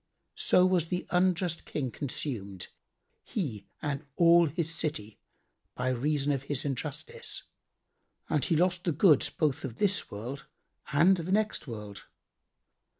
So was the unjust King consumed, he and all his city, by reason of his injustice, and he lost the goods both of this world and the next world.